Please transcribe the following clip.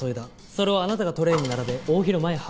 それをあなたがトレーに並べ大広間へ運んだ。